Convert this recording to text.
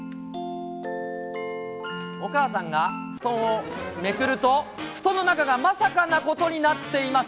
お母さんが布団をめくると、布団の中がまさかなことになっています。